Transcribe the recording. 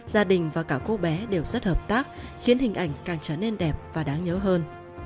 gia đình và cả cô bé đều rất hợp tác khiến hình ảnh càng trở nên đẹp và đáng nhớ hơn